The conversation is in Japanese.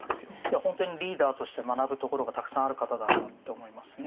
本当にリーダーとして学ぶところがたくさんある方だなって思いますね。